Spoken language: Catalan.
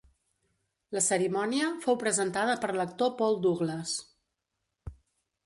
La cerimònia fou presentada per l'actor Paul Douglas.